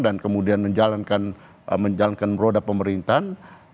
dan kemudian menjalankan roda pemerintahan